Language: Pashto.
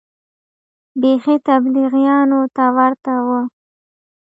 بيخي تبليغيانو ته ورته و.